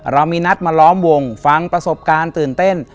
เรามีนัดมาล้อมวงฟังประสบการณ์ตื่นเต้น